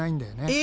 え！